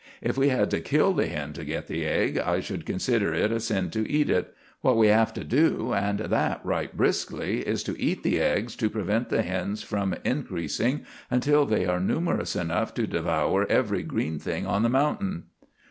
If we had to kill the hen to get the egg, I should consider it a sin to eat it. What we have to do, and that right briskly, is to eat the eggs to prevent the hens from increasing until they are numerous enough to devour every green thing on the mountain."